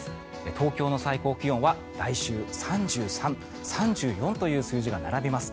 東京の最高気温は来週、３３、３４という数字が並びます。